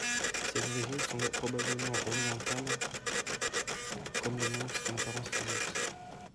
Ses origines sont probablement orientales comme le montre son apparence physique.